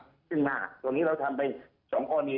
ซึ่งหน้าตัวนี้เราทำเป็น๒ตัวนี้